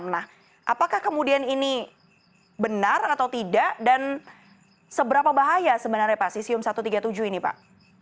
nah apakah kemudian ini benar atau tidak dan seberapa bahaya sebenarnya pak cesium satu ratus tiga puluh tujuh ini pak